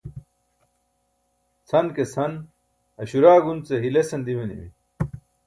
chan ke chan Aśura gunce hilesan dimanimi